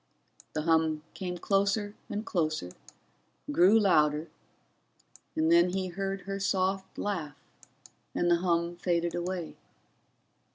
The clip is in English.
The hum came closer and closer, grew louder, and then he heard her soft laugh and the hum faded away.